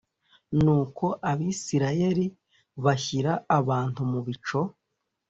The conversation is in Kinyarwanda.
nuko abisirayeli bashyira abantu mu bico